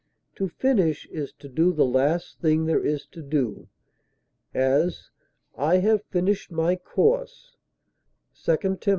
To finish is to do the last thing there is to do; as, "I have finished my course," _2 Tim.